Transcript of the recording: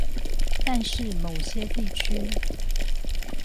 但是某些地區